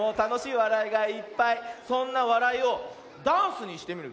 そんな「わらい」をダンスにしてみるよ。